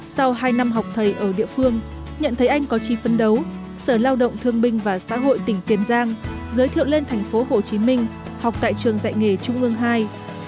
sau hai năm học thầy ở địa phương nhận thấy anh có chi phân đấu sở lao động thương binh và xã hội tỉnh tiền giang giới thiệu lên thành phố hồ chí minh học tại trường dạy nghề trung ương ii